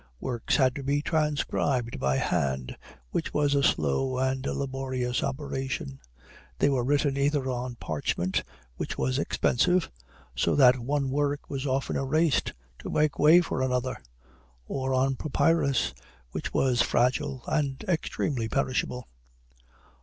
Works had to be transcribed by hand, which was a slow and laborious operation; they were written either on parchment, which was expensive, so that one work was often erased to make way for another; or on papyrus, which was fragile and extremely perishable.